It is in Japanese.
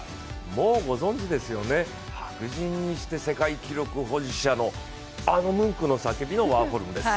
もうご存じですよね、白人にして世界記録者のあの「ムンクの叫び」のワーホルムです。